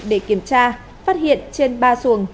để kiểm tra phát hiện trên ba xuồng